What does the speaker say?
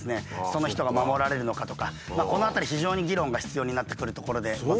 その人が守られるのかとかこの辺り非常に議論が必要になってくるところでございます。